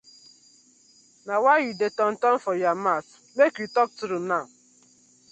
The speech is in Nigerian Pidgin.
Na why yu dey turn turn for yah mouth, make yu talk true naw.